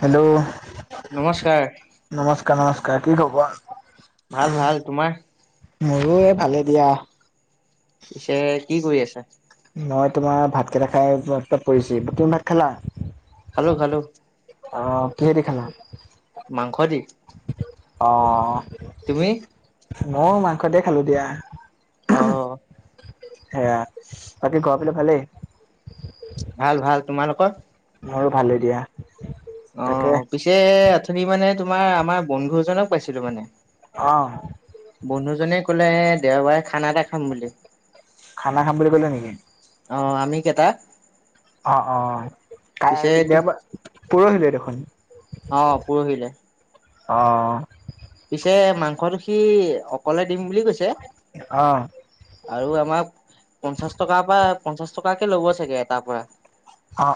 Hello নমস্কাৰ নমস্কাৰ নমস্কাৰ কি খবৰ? ভাল ভাল তোমাৰ? মোৰো এ ভালে দিয়া। পিছে কি কৰি আছা? মই তোমাৰ ভাত কেইটা খাই এইমাত্ৰ পৰিছি, তুমি ভাত খালা? খালো খালো আহ কিহে দি খালা মাংস দি অহ তুমি মইয়ো মাংসদিয়ে খালো দিয়া অ অ সেয়া বাকী ঘৰপিনে ভালেই ভাল ভাল তোমালোকৰ? মোৰো ভালে দিয়া। অ তাকে পিছে আথনি মানে তোমাৰ আমাৰ বন্ধু এজনক পাইছিলো মানে অ বন্ধুজনে কলে দেওবাৰে খানা এটা খাম বুলি খানা খাম বুলি ক'লে নেকি? অ আমি কেইটা। অ, অ পিছে [unintelligible] দেওবাৰ পৰহিলে দেখোন। অ পৰহিলে। অ, অ। পিছে মাংসটো সি অকলে দিম বুলি কৈছে। অ। আৰু আমাক পঞ্চাছ টকা বা পঞ্চাছ টকাকে ল'ব চাগে এটাৰ পৰা। অ,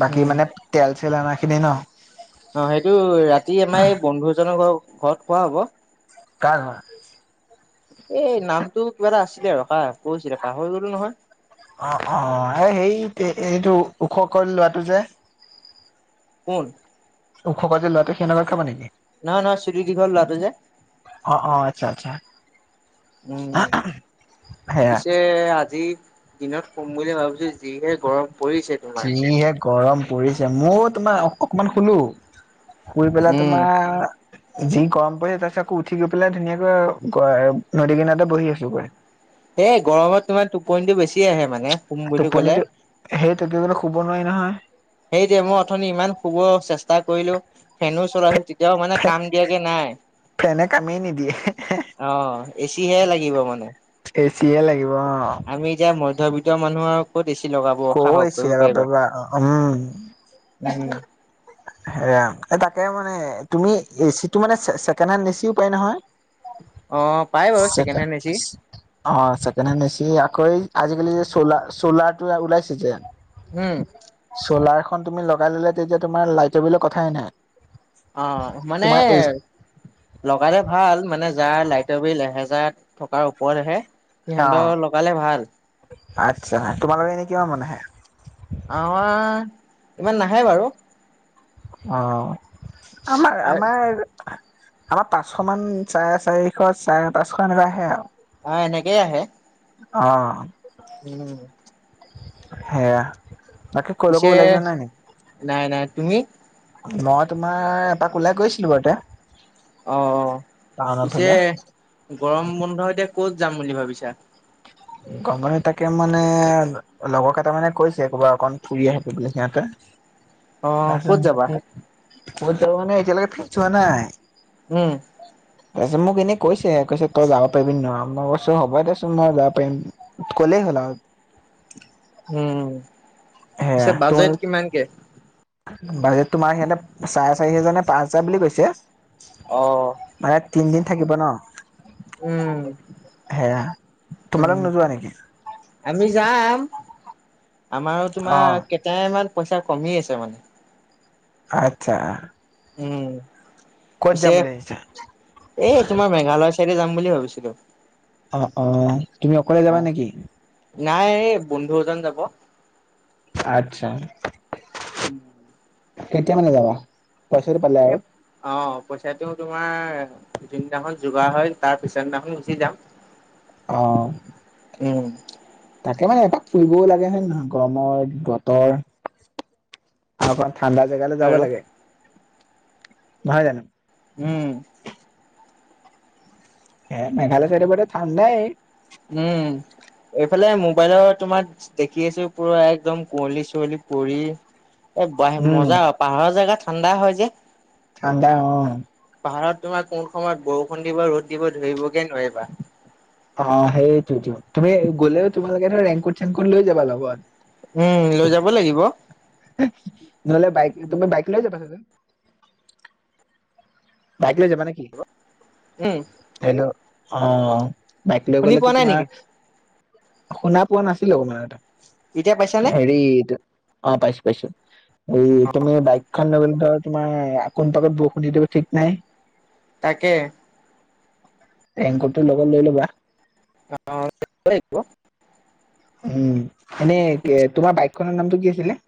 বাকী উম মানে তেল-চেল অনাখিনি ন? অ সেইটো ৰাতি আমাৰ এই বন্ধুজনৰ ঘ ঘৰত খোৱা হ'ব। কাৰ ঘৰ? এই নামটো কিবা এটা আছিলে ৰখা, কৈছিলে পাহৰি গলো নহয়। অ-অ এই সেই এইটো ওখকৈ ল'ৰাটো যে। কোন? ওখকৈ যে ল'ৰাটো সেনতৰ ঘৰত খাবা নেকি? নহয়, নহয় চুলি দীঘল ল'ৰাটো যে। অ, অ আচ্ছা। আচ্ছা উম, সেয়া। পিছে আজি দিনত শুম বুলি ভাবিছো যিহে গৰম। পৰিছে তোমাৰ যিহে গৰম পৰিছে। মও তোমাৰ অক-অকমান শুলো। শুই পেলাই উম তোমাৰ যি গৰম পৰিছে তাৰ পিছত আকৌ উঠি গৈ পেলাই ধুনীয়াকৈ নদী কিনাৰতে বহি আছোগৈ। এ গৰমত তোমাৰ টোপনিটো বেছি আহে মানে। শুম বুলি ক'লে টোপনিটো সেইটো কিয়নো শুব নোৱাৰি নহয়। সেইটোৱে মই অথনি ইমান শুব চেষ্টা কৰিলো। ফেনো চলাইছো, তেতিয়াও মানে ফে কাম দিয়াকে নাই। ফেনে কামেই নিদিয়ে অ, এচিহে লাগিব মানে। এচিয়ে লাগিব অ। আমি এতিয়া মধ্যবিত্ত মানুহ আৰু ক'ত এছি লগাব সাহস কৰিব পাৰিবা। হুম। উম। সেয়া তাকে মানে তুমি এচিটো মানে ছে-ছেকেণ্ড হেণ্ড এচিও পায় নহয়। অ পাই বাৰু ছেকেণ্ড চেকে হেণ্ড এচি চেক অ ছেকেণ্ড এছি আকৌ আজি-কালি যে চলাৰ চলাৰটো ওলাইছে যে। উম। চ'লাৰখন তুমি লগাই ল'লে তেতিয়া তোমাৰ লাইটৰ বিলৰ কথাই নাই। অ মানে তোমাৰ এই লগালে ভাল মানে যাৰ লাইটৰ বিল এহেজাৰ টকাৰ ওপৰত আহে অ সিহঁতৰ লগালে ভাল। আচ্ছা তোমালোকে এনেই কিবা মানে আহে? আমাৰ ইমান নাহে বাৰু। অ আমাৰ আমাৰ আমাৰ পাঁচশ মান চাৰে চাৰিশ, চাৰে পাঁচশ এনেকা আহে আৰু। অ এনেকেই আহে। অ। উম। সেয়া, বাকী কলৈকো পিছে, ওলাই যোৱা নাই নেকি নাই নাই। তুমি? মই তোমাৰ এপাক ওলাই গৈছিলো বাৰুতে। অ, অ পিছে ফালে গৰম বন্ধ এতিয়া ক'ত যাম বুলি ভাবিছা? গ- গলে তাকে মানে লগৰ কেইটা মানে কৈছে ক'ৰবাত অকন ফুৰি আহোগে বুলি সিহঁতে। অ ক'ত যাবা ক'ত যাবা মানে এতিয়া লৈকে ফ্ৰিছ হোৱা নাই। উম, তাৰপিছত মোক এনে কৈছে কৈছে তই যাব পাৰি নোৱাৰ মই কৈছো হব দোৰিছোন মই যাম, পাৰিম ক'লেই হল আও, উম সেয়া পিছে তুমি বাজেট কিমানকে। বাজেট তোমাৰ সিহঁতে চাৰে চাৰি হোজাৰ নে পাঁচ হোজাৰ বুলি কৈছে। অ মানে তিনিদিন থাকিব ন। উম সেয়া তোমালোক উম নোযোৱা নেকি। আমি যাম আমাৰো অ' তোমাৰ, তাই ইমান পইচা কমি আছে মানে। আচ্ছা, উম, কত যাম পিছে বুলি ভাবিছা। এই তোমাৰ মেঘালয় চাইডে যাম বুলি ভাবিছিলো। অ অ তুমি অকলে যাবা নেকি। নাই এই বন্ধু এজন যাব। আচ্ছা কেতিয়া মানে যাবা পইচাটো পালে এ আৰু অ পইচাটো তোমাৰ যোনদিনাখন যোগাৰ হয় তাৰ পিছৰ দিনাখন গুচি যাম। অঁ উম। তাকে মানে এপাক ফুৰিবও লাগে হয় নহয় গৰমৰ বতৰ তা পা। ঠাণ্ডা জেগালৈ যাব আৰু লাগে নহয় জানো। উম, এ মেঘালয় চাইদে বাৰু ঠাণ্ডাই, উম এইফালে মোবাইলৰ তোমাৰ। দেখি আছো পুৰা একদম কুঁৱলী চুঁৱলি পৰি। এই গৈ আহিম উম। মজা পাহাৰৰ জেগা ঠাণ্ডা হয় যে। ঠাণ্ডা অ। পাহাৰত তোমাৰ কোন সময়ত বৰষুণ দিব ৰ'দ দিব ধৰিবগে নোৱাৰিবা। অ সেইটোতো তুমি গলেও তোমালোকে ধৰা ৰেংকুট চেংকুট লৈ যাবা লগত। উম লৈ যাব লাগিব। নহ'লে বাইক তুমি বাইক লয় যাবা চবে। বাইক লৈ যাবা নেকি। হেল্ল, উম। হেল্ল' অ বাইক লৈ শুনি গ'লেতো পোৱা নাই তোমাৰ। নেকি শুনা পোৱা নাছিলো অকমান এতিয়া পাইছানে হেৰি অ পাইছো পাইছো এই তুমি বাইকখন লৈ গলে ধৰা তোমাৰ আকোন পাকত বৰষুণ দিব। ঠিক নাই। তাকে। ৰেংকোটটোৰ লগত লৈ ল'বা। [unintelligible] উম এনেই তোমাৰ বাইক খনৰ নামটো কি আছিলে।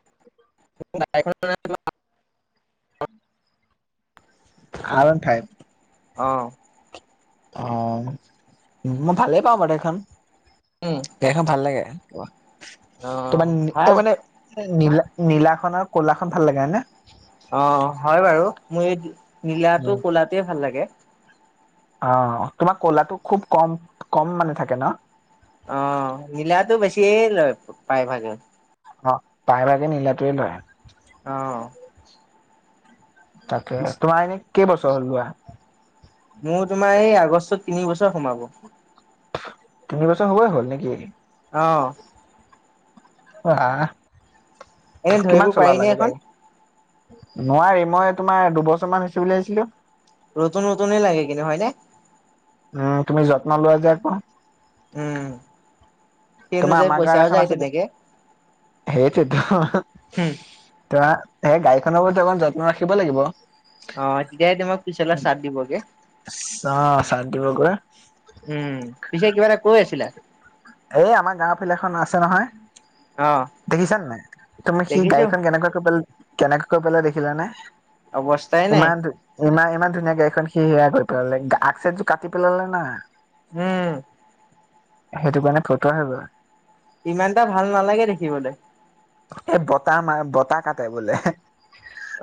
[unintelligible] [unintelligible] আৰু ওৱান ফাইভ, অ। অ মই ভালেই পাওঁ বাৰু এইখন। উম। গাড়িখন ভাল লাগে অ', ভাল তোমাৰ মানে। নীলা নীলা খন আৰু ক'লাখন ভাল লাগে হয় নে? অ হয় বাৰু। মোৰ এই নীলাটো উম। ক'লাটোৱে ভাল লাগে। অ, তোমাক ক'লাটো খুব কম, কম মানে থাকে ন? অ নীলাটো বেছিয়ে লয় প্ৰায় ভাগে। অ প্ৰায় ভাগে নীলাটোৱে লয়। অ। তাকে, তোমাৰ এনেই কেইবছৰ হ'ল লোৱা? মোৰ তোমাৰ এই আগষ্টত তিনি বছৰ সোমাব। তিনি বছৰ হ'বই হ'ল নেকি? অ। বাহ, এনে ধৰিব কিমান পাৰি চলালা নে আকৌ এখন গাড়ী? নোৱাৰি, মই তোমাৰ দুবছৰমান হৈছে বুলি ভাবিছিলো। নতুন নতুনে লাগে কিন্তু হয়নে? উম তুমি যত্ন লোৱা যে আকৌ। উম। সেই তোমাৰ অনুযায়ী আমাৰ গাঁৱত পইচাও এখন যায় আছে দে, তেনেকে সেইটোৱেটো। [unintelligible] সেই গাড়ীখনৰ প্ৰতি অকমান যত্ন ৰাখিব লাগিব। আ অ', তেতিয়াই তোমাক পিছলে চাথ দিবগে চাইড দিবগৈ। হুম, পিছে কিবা এটা কৈ আছিলা। এই আমাৰ গাঁৱৰ ফালে এখন আছে নহয়। অ', দেখিছানে নাই তুমি সি দেখিছো গাড়ীখন কেনেকুৱাকৈ [unintelligible] কেনেকে কৈ পেলালে দেখিলা নে অৱস্থাই নাই ইমানটো ইমান ইমান ধুনীয়া গাড়ীখন সি সেয়া কৰি পেলালে, আগ চিটটো কাটি পেলালে না। হুম। সেইটো কাৰণে ফটো [unintelligible] ইমানটা ভাল নালাগে দেখিবলে। এই বতাহ মাৰে বতাহ কাটে বোলে।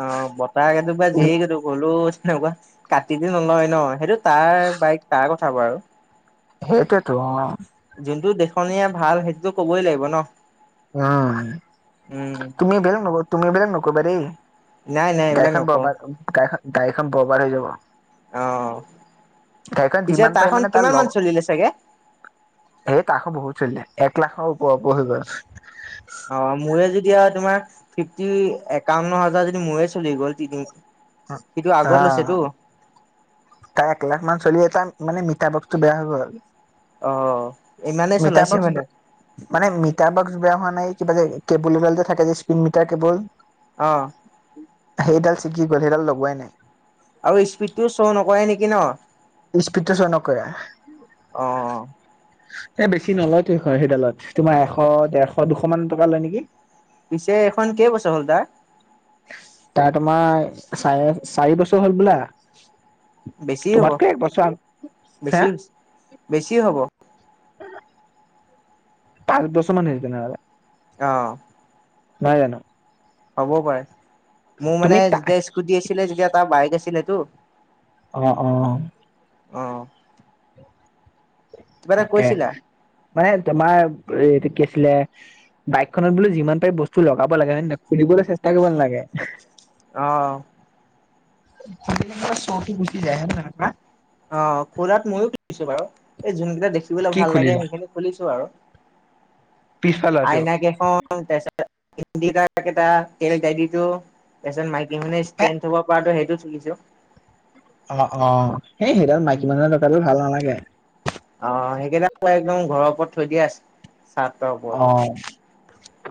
অ বতাহ [unintelligible] তেনেকুৱা। কাটি দি নলয় ন, সেইটো তাৰ বাইক তাৰ কথা বাৰু। সেইটোৱেটো অ। যোনটো দেখনীয়া ভাল সেইটোতো ক'বই লাগিব ন। নয়। উম তুমি এইবিলাক নকৰ তুমি এইবিলাক নকৰিবা দেই। নাই নাই এইবিলাক গাড়ীখন নকওঁ বৰবাদ গাড়ীখন গাড়ীখন বৰবাদ হৈ যাব। অ গাড়ীখন পিছে যিমান পাৰে তাৰখন মানে তাৰ কিমান মান লগ চলিলে চাগে এ তাৰ খন বহুত চলিলে। এক লাখৰ উপৰা উপৰি হৈ গ'ল। অ, মোৰে যেতিয়া তোমাৰ ফিফটি একাৱন্ন হাজাৰ যদি মোৰে চলি গ'ল তিনি সিটো আগত অ', লৈছেতো। তাৰ এক লাখ মান চলি এটা মানে মিটাৰ বক্সটো বেয়া হৈ গ'ল। অ ইমানেই মিটাৰ চলাইছে বক্স মানে ব মানে মিটাৰ বক্স বেয়া হোৱা নাই, কিবা যে কেবুল এডাল থাকে যে স্পীড মিটাৰ কেবল অ। সেইডাল ছিগি গ'ল, সেইডাল লগোৱাই নাই। আৰু স্পীডটো ছ নকৰে নেকি ন? স্পীডটো ছ নকৰে। অ এ বেছি নলয়টো সেইখন সেইডালত। তোমাৰ এশ, দেৰশ, দুশ মান টকা লয় নেকি? পিছে এইখন কেই বছৰ হ'ল তাৰ? তাৰ তোমাৰ চাৰে চাৰি বছৰ হ'ল হবলা। বেছিয়ে হ'ব, আগ হে বেছি হৈছে। বেছি হ'ব। পাঁচ বছৰ মান হৈছে তেনেহ'লে। অ। নহয় জানো। হ'ব পাৰে মোৰ তুমি মানে তা যেতিয়া স্কুটি আছিলে যেতিয়া এটা বাইক আছিল টো। অঁ অঁ। আহ। তাকে মানে তোমাৰ এইটো কি আছিলে বাইকখনত বোলো যিমান পাৰি বস্তু লগাব লাগে ন নয় খুলিবলৈ চেষ্টা কৰিব নালাগে। অ। [unintelligible] অ, খুৰাত ময়োছো বাৰু এই যোনকেইটা দেখিবলৈ কি ভাল লাগে খুলিলা সেইখিনি খুলিছো আৰু পিছফালৰ শ্ব'টো আইনাকেইখন। কেইটা তেল দাই দিছো [unintelligible] তাৰ পিছত মাইকী খনে এ ষ্ট্ৰে থ'ব পৰাটো সেইটো চলিছো। অ অ সেই সেইডাল মাইকী মানুহে লগালে ভাল নালাগে। অ, সেইকেইটা একদম ঘৰৰ ওপৰত থৈ দিয় আছে। চাতক, অ,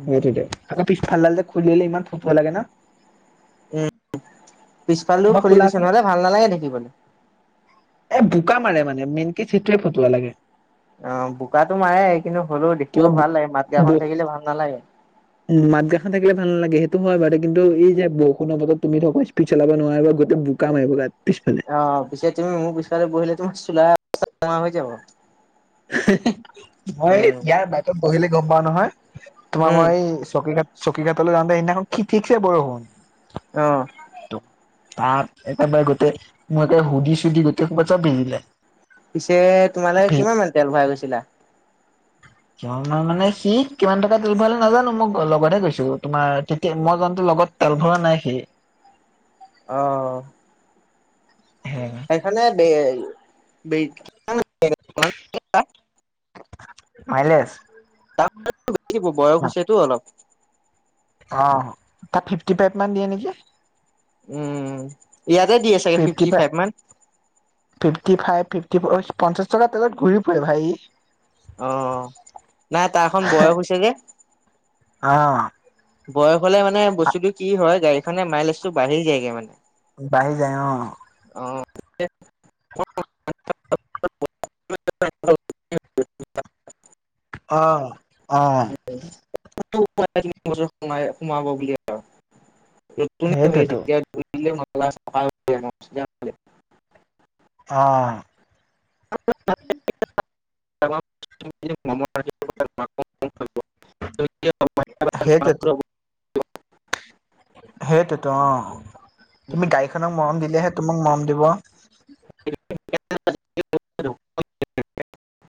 সেইটো আকৌ পিছফালডাল যে খুলিলে ইমান ফুপুৱা লাগে ন। পিছফালও তোমাৰ খুলি খোলা দিছে আছে নে নহ'লে ভাল নালাগে দেখিবলে। এ, বোকা মাৰে মানে মেইনক চিটে ফটোৱা লাগে। অ, বোকাতো মাৰে কিন্তু হ'লেও দেখিব তোমাৰ বো ভাল লাগে মাত গাখন থাকিলে ভাল নালাগে। উম, মাত গাখা থাকিলে ভালাগে সেইটো হয় বু কিন্তু যে বৰষুণ বত তুমি যে স্পীড চলাব নোৱিবা গোট বোকা মাৰে পিছফালে। অ, পিছে তুমি মোৰ পিছফালে বহিলে তোমাৰ চোলা অৱস্থা নোহোৱা হৈ যাব। মই উম ইয়াৰ বাইকত বহিলে গম পাও নহয় তোমাৰ উম মই চকী কাট চকী ঘাটাললৈ যাওঁতে সেইদিনাখন কি দিছে বৰষুণ। অ। তাত একেবাৰে গোটেই মইে সুধি চুধি গোটেই কবা যাব পৰিলে। পিছে তোমালে কিমান মান তেল ভৰাই গৈছিলা। কিমান মানে সি কিমান টকা তেল ভৰালে নাজানো মই লগতহে গৈছো। তোমাৰ কি মই জানতে লগত, তেল ভৰা নাই সি। অঁ। হে। সেই ফালে বে বে- মাইলেশ। বয়স হৈছেতো অলপ। অঁ তাত ফিফটি ফাইভ মান দিয়ে নেকি। উম ইয়াতে দি আছে। Fifty five, fifty five fifty পঞ্চাশ টকা তেলত ঘুৰি ফুৰে ভাই ই, অঁ নাই তাৰখন বয়স হৈছে যে। অঁ, বয়স হলে মানে বস্তুটো কি হয় গাড়ীখনে মাইলেজ টো বাঢ়ি যায়গে মানে। বাঢ়ি যায় অঁ। অ [unintelligible] আহ অঁ। [unintelligible] সোমাই সোমাব বুলি সেইটোতো [unintelligible] [unintelligible] অঁ। [unintelligible] [unintelligible] সেইটোয়ে তো। সেইটোতো অঁ তুমি গাড়ীখনক মৰম দিলেহে তোমাক মৰম দিব। [unintelligible]